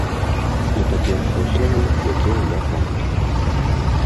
Гэта першыя словы, якія я памятаю.